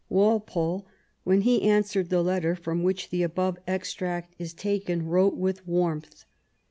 Walpole, when he answered the letter from which the above extract is taken, wrote with warmth :—